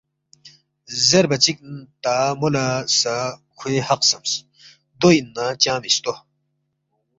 زیربا چِک تا مو لہ سہ کھوے حق خسمس، ”دو اِن نہ چنگ مِستو